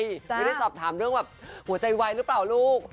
ไม่ได้สอบถามเรื่องแบบหัวใจไวหรือเปล่าลูก